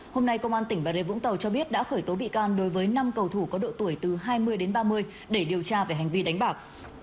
hôm nay công an tỉnh bà rê vũng tàu cho biết đã khởi tố bị can đối với năm cầu thủ có độ tuổi từ hai mươi đến ba mươi để điều tra về hành vi đánh bạc